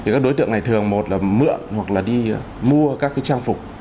các đối tượng này thường một là mượn hoặc đi mua các trang phục